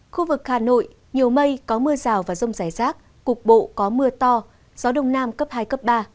khu vực hà nội nhiều mây có mưa rào và rông rải rác cục bộ có mưa to gió đông nam cấp hai cấp ba